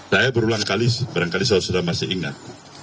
saya berulang kali berangkali saya sudah masih ingat